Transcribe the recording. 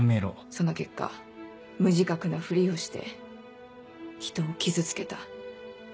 その結果無自覚なフリをして人を傷つけた。